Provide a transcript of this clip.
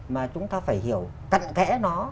mà chúng ta phải hiểu cận kẽ nó